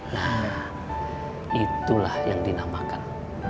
lah itulah yang dinamakan